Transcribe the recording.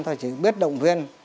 tôi chỉ biết động viên